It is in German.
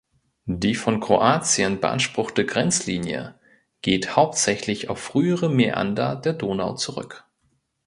Die von Kroatien beanspruchte Grenzlinie geht hauptsächlich auf frühere Mäander der Donau zurück.